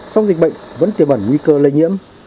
song dịch bệnh vẫn tiềm ẩn nguy cơ lây nhiễm